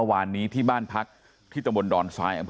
มันวันนี้ที่บ้านพักที่ตระบวนดอนสาย